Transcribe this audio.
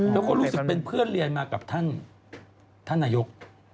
แล้วก็รู้สึกเป็นเพื่อนเรียนมากับท่านนายก